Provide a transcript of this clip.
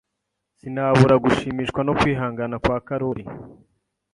Sinabura gushimishwa no kwihangana kwa Karoli.